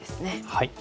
はい。